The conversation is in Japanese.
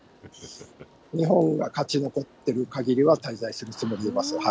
日本が勝ち残ってるかぎりは、滞在するつもりでいます。